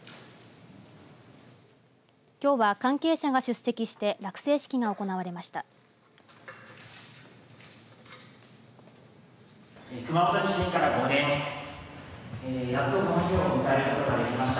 きょうは、関係者が出席して落成式が行われました。